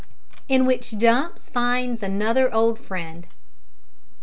IN WHICH DUMPS FINDS ANOTHER OLD FRIEND.